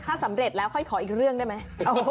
ถ้าสำเร็จแล้วค่อยขออีกเรื่องได้ไหม